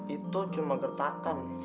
itu cuma gertakan